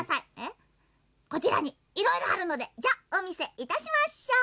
「こちらにいろいろあるのでおみせいたしましょう。